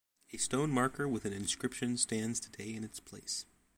A stone marker with an inscription stands today in its place.